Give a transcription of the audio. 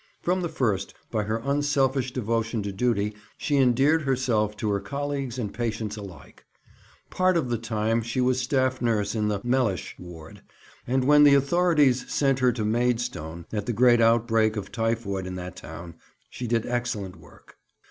From the first, by her unselfish devotion to duty she endeared herself to her colleagues and patients alike. Part of the time she was staff nurse in the 'Mellish' Ward; and when the authorities sent her to Maidstone at the great outbreak of typhoid in that town, she did excellent work.